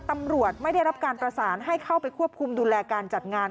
ตำรวจไม่ได้รับการประสานให้เข้าไปควบคุมดูแลการจัดงาน